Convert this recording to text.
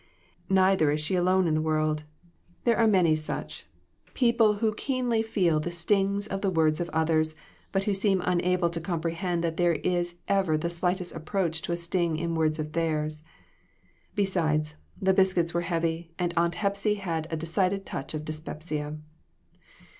Neither is she alone in the world. There are many such DON T REPEAT IT. 159 people who keenly feel the stings in the words of others, but who seem unable to comprehend that there is ever the slightest approach to a sting in words of theirs. Beside, the biscuits were heavy, and Aunt Hepsy had a decided touch of dyspepsia.